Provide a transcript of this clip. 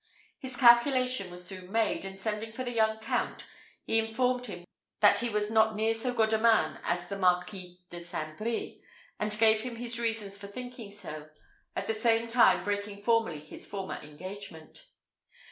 His calculation was soon made; and sending for the young Count, he informed him that he was not near so good a man as the Marquis de St. Brie, and gave him his reasons for thinking so, at the same time breaking formally his former engagement.